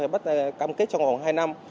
bắt cam kết trong khoảng hai năm